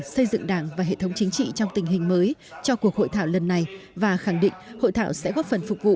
xây dựng đảng và hệ thống chính trị trong tình hình mới cho cuộc hội thảo lần này và khẳng định hội thảo sẽ góp phần phục vụ